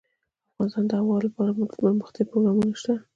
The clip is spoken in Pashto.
افغانستان کې د هوا لپاره دپرمختیا پروګرامونه شته.